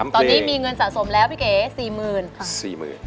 ตอนนี้มีเงินสะสมแล้วพี่เก๋๔๐๐๐ค่ะ